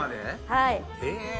はい。